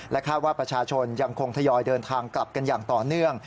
คาดว่าประชาชนยังคงทยอยเดินทางกลับกันอย่างต่อเนื่อง